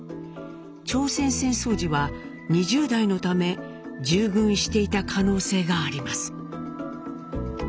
朝鮮戦争時は２０代のため従軍していた可能性があります。